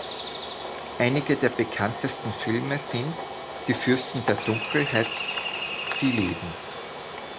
Einige der bekanntesten Filme sind "Die Fürsten der Dunkelheit", "Sie leben!